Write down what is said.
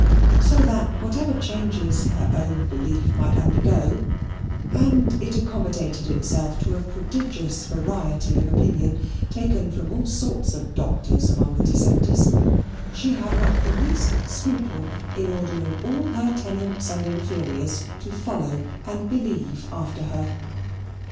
So that whatever changes her own belief might undergo (and it accommodated itself to a prodigious variety of opinion, taken from all sorts of doctors among the Dissenters) she had not the least scruple in ordering all her tenants and inferiors to follow and believe after her.